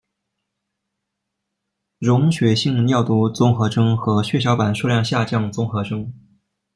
溶血性尿毒综合征和血小板数量下降综合征。